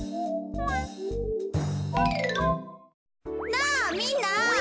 なあみんな！